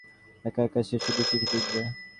একা-একা সে শুধু চিঠি লিখবে?